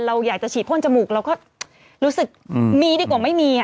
เราอยากจะฉีดพ่นจมูกเราก็รู้สึกมีดีกว่าไม่มี